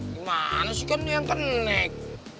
gimana sih kan yang kenaik